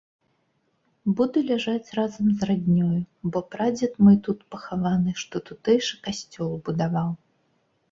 Буду ляжаць разам з раднёю, бо прадзед мой тут пахаваны, што тутэйшы касцёл будаваў.